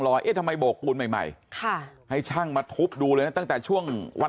เอ๊ะทำไมโบกปูนใหม่ค่ะให้ช่างมาทุบดูเลยนะตั้งแต่ช่วงวัน